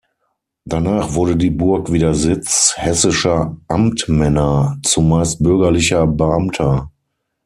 Danach wurde die Burg wieder Sitz hessischer Amtmänner, zumeist bürgerlicher Beamter.